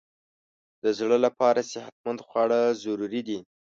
د زړه لپاره صحتمند خواړه ضروري دي.